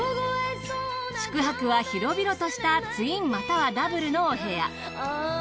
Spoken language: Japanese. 宿泊は広々としたツインまたはダブルのお部屋。